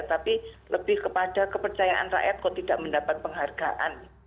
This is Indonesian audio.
tapi lebih kepada kepercayaan rakyat kok tidak mendapat penghargaan